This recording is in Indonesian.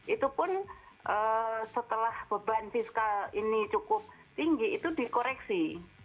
itu pun setelah beban fiskal ini cukup tinggi itu dikoreksi